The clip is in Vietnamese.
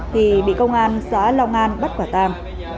thì bị công an xã long an bắt quả tang